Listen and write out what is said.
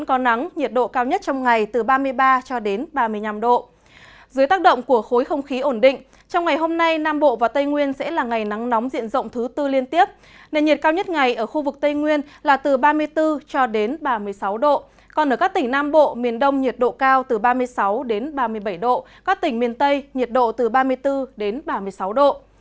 các tỉnh nam bộ miền đông nhiệt độ cao từ ba mươi sáu đến ba mươi bảy độ các tỉnh miền tây nhiệt độ từ ba mươi bốn đến ba mươi sáu độ